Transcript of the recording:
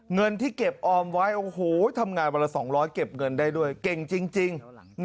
เงินที่เก็บออมไว้โอ้โหทำงานวันละ๒๐๐เก็บเงินได้ด้วยเก่งจริง